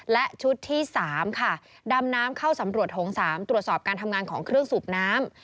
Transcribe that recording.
และชุดที่๓ค่ะดำน้ำเข้าสำรวจโถง๓ตรวจสอบการทำงานของเครื่องสูบน้ำ